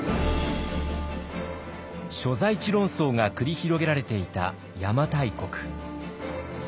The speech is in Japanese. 所在地論争が繰り広げられていた邪馬台国。